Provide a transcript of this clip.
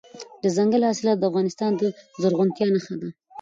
دځنګل حاصلات د افغانستان د زرغونتیا نښه ده.